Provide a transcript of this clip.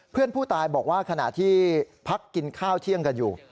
เพื่อนผู้ตายบอกว่าขณะที่พักกินข้าวเที่ยงกันอยู่